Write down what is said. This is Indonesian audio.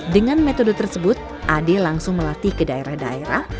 dengan metode tersebut ade langsung melatih ke daerah daerah